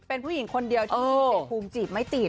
เป็นผู้หญิงคนเดียวที่จีบไม้ติด